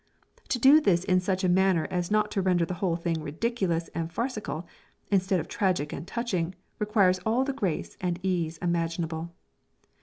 To do this in such a manner as not to render the whole thing ridiculous and farcical, instead of tragic and touching, requires all the grace and ease imaginable.